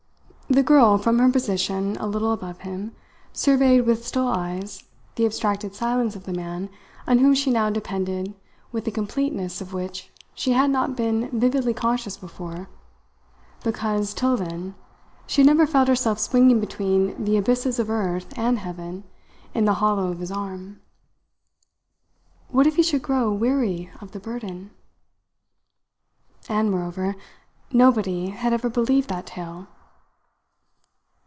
The girl, from her position a little above him, surveyed with still eyes the abstracted silence of the man on whom she now depended with a completeness of which she had not been vividly conscious before, because, till then, she had never felt herself swinging between the abysses of earth and heaven in the hollow of his arm. What if he should grow weary of the burden? "And, moreover, nobody had ever believed that tale!"